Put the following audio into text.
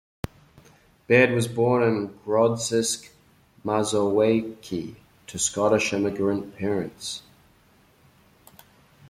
Baird was born in Grodzisk Mazowiecki, to Scottish immigrant parents.